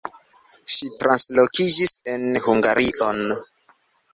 Ŝi translokiĝis en Hungarion.